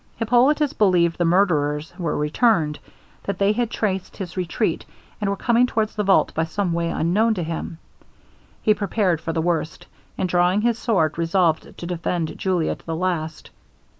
Hippolitus believed the murderers were returned; that they had traced his retreat, and were coming towards the vault by some way unknown to him. He prepared for the worst and drawing his sword, resolved to defend Julia to the last.